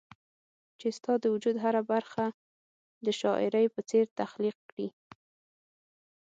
چي ستا د وجود هره برخه د شاعري په څير تخليق کړي